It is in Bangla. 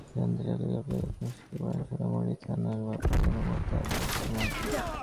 জানতে চাইলে গ্রেপ্তারের কথা নিশ্চিত করেন সোনাইমুড়ী থানার ভারপ্রাপ্ত কর্মকর্তা আবদুস সামাদ।